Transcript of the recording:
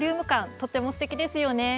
とてもすてきですよね。